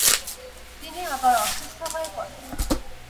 তিনি আবার অসুস্থ হয়ে পড়েন।